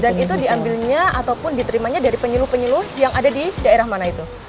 itu diambilnya ataupun diterimanya dari penyuluh penyuluh yang ada di daerah mana itu